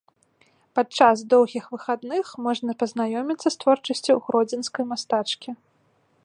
Падчас доўгіх выхадных можна пазнаёміцца з творчасцю гродзенскай мастачкі.